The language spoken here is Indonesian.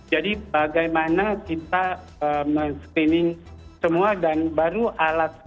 jadi bagaimana kita men screening semua dan baru alatnya disebarkan